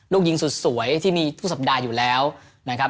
ลูกยิงสุดสวยที่มีทุกสัปดาห์อยู่แล้วนะครับ